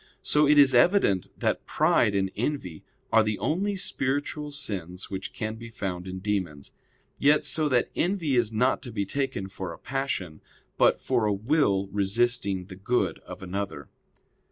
So it is evident that pride and envy are the only spiritual sins which can be found in demons; yet so that envy is not to be taken for a passion, but for a will resisting the good of another.